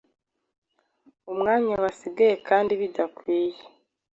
Umwanya wasigaye kandi bidakwiye